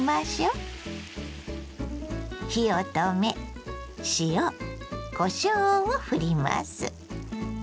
火を止め塩こしょうをふります。